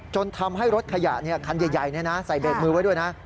จนทำให้รถขยะคันใหญ่ใส่เบรกมือไว้ด้วยนะ